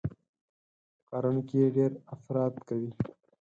په کارونو کې يې ډېر افراط کوي.